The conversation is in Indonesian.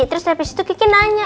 terus lepas itu gigi nanya